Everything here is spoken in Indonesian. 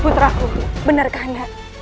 putraku benarkah anda